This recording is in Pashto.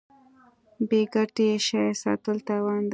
بې ګټې شی ساتل تاوان دی.